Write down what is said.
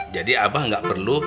jadi abah gak perlu